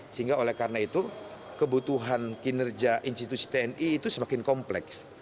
sehingga oleh karena itu kebutuhan kinerja institusi tni itu semakin kompleks